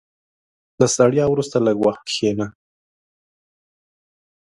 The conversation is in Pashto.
• له ستړیا وروسته، لږ وخت کښېنه.